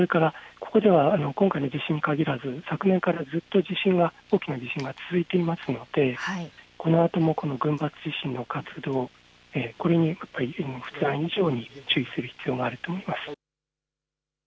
今回の地震に限らず昨年からずっと大きな地震が続いていますのでこのあとも群発地震の活動、これにふだん以上に注意する必要があると思います。